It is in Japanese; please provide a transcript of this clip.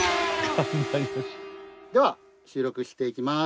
では収録していきます。